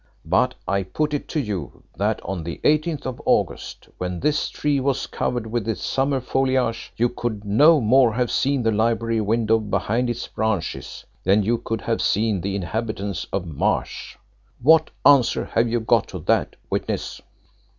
But I put it to you that on the 18th of August, when this tree was covered with its summer foliage, you could no more have seen the library window behind its branches than you could have seen the inhabitants of Mars. What answer have you got to that, witness?"